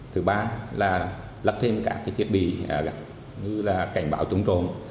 thứ ba là lập thêm các thiết bị như là cảnh báo chống trộm